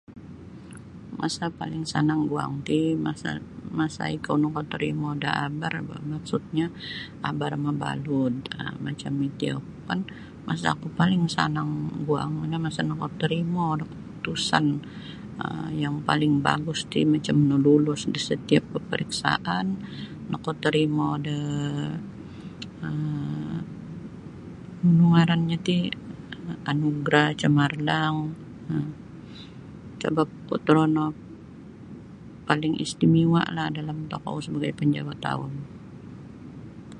Masa paling sanang guang ti masa masa ikou nakatorimo da abar boh maksudnyo abar mabalut um macam iti oku kan masa oku paling sanang guang no masa nakatorimo da kaputusan um yang paling bagus ti macam nalulus da setiap peperiksaan nakatorimo da um nunu ngarannyo ti anugerah camarlang um sabap kuo torono paling istimewa'lah dalam tokou sebagai penjawat awam.